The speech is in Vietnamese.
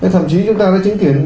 thậm chí chúng ta đã chứng kiến